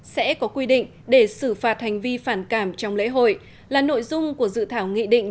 sẽ có quy định để xử phạt hành vi phản cảm trong lễ hội là nội dung của dự thảo nghị định